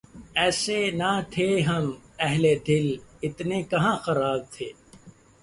ایسے نہ تھے ہم اہلِ دل ، اتنے کہاں خراب تھے